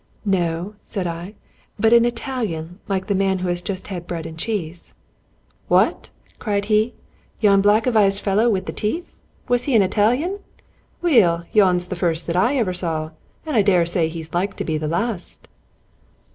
"No!" said I; "but an Italian^ like the man who has just had bread and cheese." " What? " cried he, " yon black avised fellow wi' the teeth? Was he an I talian? Weel, yon's the first that ever I saw, an' I dare say he's like to be the last."